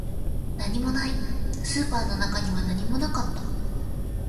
何もない、スーパーの中には何もなかった